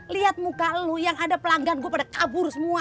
lihat muka lu yang ada pelanggan gue pada kabur semua